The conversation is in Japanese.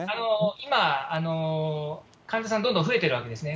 今、患者さん、どんどん増えてるわけですね。